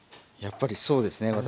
やっぱりそうですね